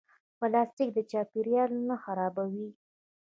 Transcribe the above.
پلاستیک چاپیریال نه خرابوي